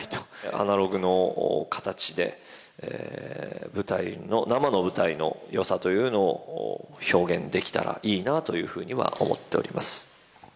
アナログの形で、生の舞台のよさというのを表現できたらいいなというふうには思っております。